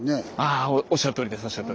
あおっしゃるとおりです。